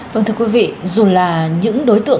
vâng thưa quý vị dù là những đối tượng